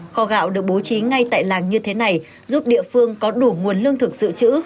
kho gạo được bố trí ngay tại làng như thế này giúp địa phương có đủ nguồn lương thực dự trữ